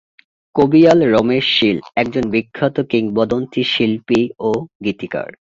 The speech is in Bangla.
কবিয়াল রমেশ শীল একজন বিখ্যাত কিংবদন্তি শিল্পী ও গীতিকার।